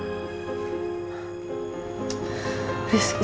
pernah nungguin putri